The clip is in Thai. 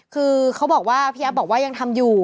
คือพี่แอฟบอกว่ายังทำอยู่